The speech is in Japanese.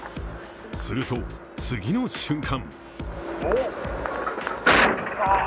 すると、次の瞬間。